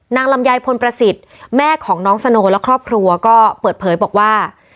ลำไยพลประสิทธิ์แม่ของน้องสโนและครอบครัวก็เปิดเผยบอกว่า